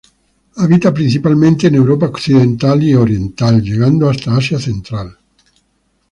Habita principalmente en Europa Occidental y Oriental, llegando hasta Asia Central.